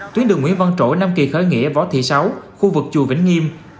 tuyến đường nguyễn văn trỗi nam kỳ khởi nghĩa võ thị sáu khu vực chùa vĩnh nghiêm